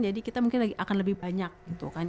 jadi kita mungkin akan lebih banyak gitu kan